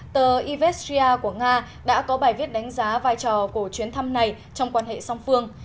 tờ ivestrea của nga đã có bài viết đánh giá vai trò của chuyến thăm này trong quan hệ song phương